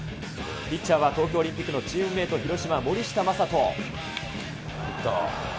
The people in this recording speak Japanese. ピッチャーは東京オリンピックのチームメート、広島、森下暢仁。